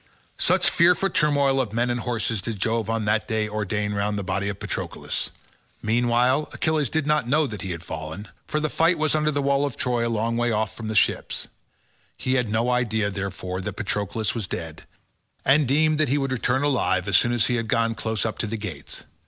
Such fearful turmoil of men and horses did Jove on that day ordain round the body of Patroclus. Meanwhile Achilles did not know that he had fallen, for the fight was under the wall of Troy a long way off the ships. He had no idea, therefore, that Patroclus was dead, and deemed that he would return alive as soon as he had gone close up to the gates.